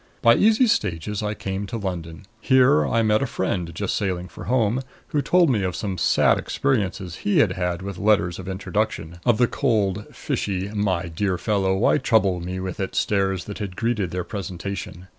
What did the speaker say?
By easy stages I came on to London. Here I met a friend, just sailing for home, who told me of some sad experiences he had had with letters of introduction of the cold, fishy, "My dear fellow why trouble me with it?" stares that had greeted their presentation.